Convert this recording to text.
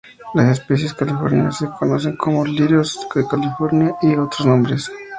Las especies californianas se conocen como lirios de California, y otros nombres, e.g.